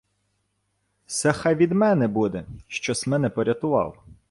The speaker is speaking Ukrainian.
— Се хай від мене буде, що-с мене порятував.